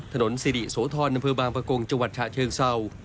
ถนนสิริโสธรอำเภอบางประกงจังหวัดฉะเชิงเศร้า